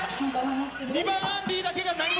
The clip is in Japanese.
２番、アンディだけが。